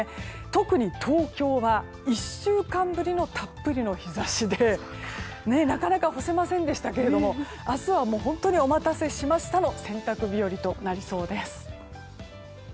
特に東京は１週間ぶりのたっぷりの日差しでなかなか干せませんでしたけども明日は本当にお待たせしましたの洗濯日和となりそうです。